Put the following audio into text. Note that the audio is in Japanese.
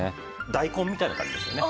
大根みたいな感じですよね